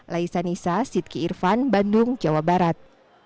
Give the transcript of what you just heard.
laisa nisa sidki irfan bandung jawa barat